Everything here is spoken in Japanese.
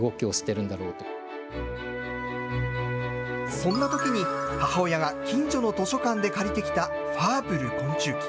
そんなときに、母親が近所の図書館で借りてきたファーブル昆虫記。